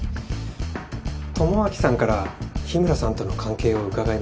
智明さんから日村さんとの関係を伺いました。